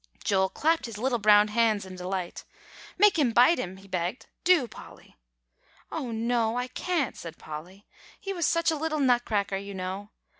Joel clapped his little brown hands in delight. "Make him bite him," he begged; "do, Polly." "Oh, no, I can't!" said Polly; "he was such a little Nutcracker, you know.